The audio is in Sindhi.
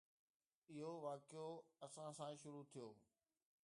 اهو واقعو اسان سان شروع ٿيو.